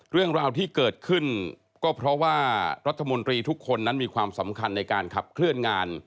เรื่องราวที่เกิดขึ้นก็เพราะว่ารัฐมนตรีทุกคนนั้นมีความสำคัญในการขับเคลื่อนงาน